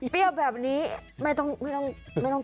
เปรี้ยวแบบนี้ไม่ต้องทำอะไร